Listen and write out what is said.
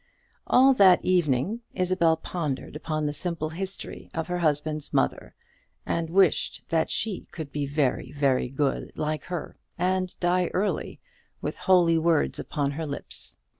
All that evening Isabel pondered upon the simple history of her husband's mother, and wished that she could be very, very good, like her, and die early, with holy words upon her lips.